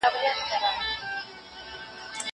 زه خبري کړي دي!